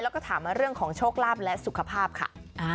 แล้วก็ถามมาเรื่องของโชคลาภและสุขภาพค่ะ